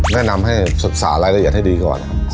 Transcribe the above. แนะนำให้ศึกษารายละเอียดให้ดีก่อน